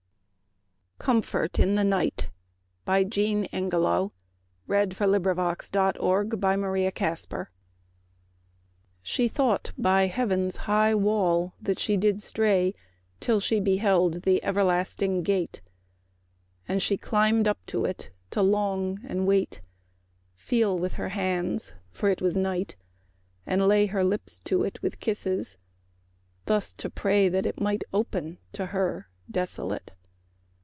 COMFORT IN THE NIGHT. She thought by heaven's high wall that she did stray Till she beheld the everlasting gate: And she climbed up to it to long, and wait, Feel with her hands (for it was night), and lay Her lips to it with kisses; thus to pray That it might open to her desolate.